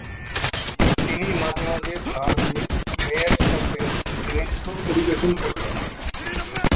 তিনি মাঝে মাঝে তার মেয়ের সাথে নৃত্য পরিবেশন করতেন।